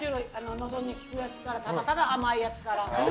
のどに効くやつからただただ甘いやつから。